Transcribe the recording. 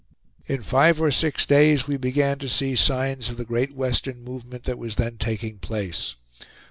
In five or six days we began to see signs of the great western movement that was then taking place.